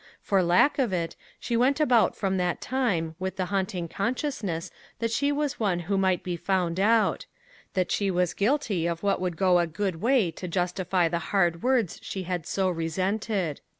For lack of it, she went about from that time with the haunting consciousness that she was one who might be found out; that she was guilty of what would go a good way to justify the hard words she had so resented.